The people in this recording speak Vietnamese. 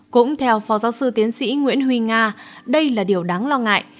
cũng theo phó giáo sư tiến sĩ nguyễn huy nga đây là điều đáng lo ngại